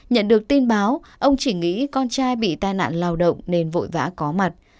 nhận được tin báo ông chỉ nghĩ con trai bị tai nạn lao động nên vội vã có mặt